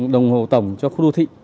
đồng hồ tổng cho khu đô thị